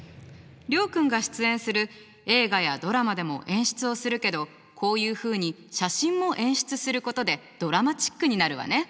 諒君が出演する映画やドラマでも演出をするけどこういうふうに写真も演出することでドラマチックになるわね。